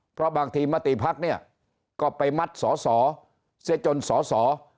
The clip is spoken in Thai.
เพราะบางทีมติภักดิ์เนี่ยก็ไปมัดสอสอเสียจนสอสอ